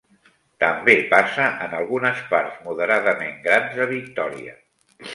També passa en algunes parts moderadament grans de Victòria.